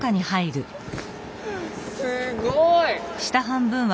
すごい！